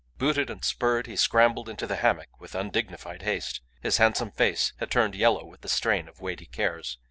Booted and spurred, he scrambled into the hammock with undignified haste. His handsome face had turned yellow with the strain of weighty cares.